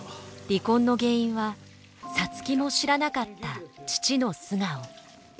離婚の原因は皐月も知らなかった父の素顔。